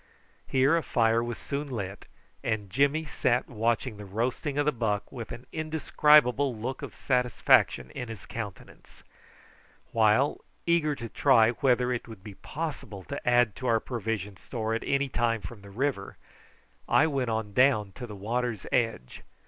Here a fire was soon lit, and Jimmy sat watching the roasting of the buck with an indescribable look of satisfaction in his countenance; while, eager to try whether it would be possible to add to our provision store at any time from the river, I went on down to the water's edge.